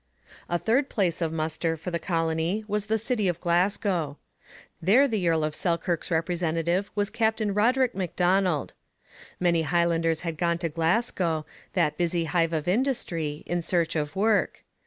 A third place of muster for the colony was the city of Glasgow. There the Earl of Selkirk's representative was Captain Roderick M'Donald. Many Highlanders had gone to Glasgow, that busy hive of industry, in search of work.